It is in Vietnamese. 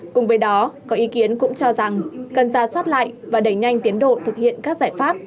cùng với đó có ý kiến cũng cho rằng cần ra soát lại và đẩy nhanh tiến độ thực hiện các giải pháp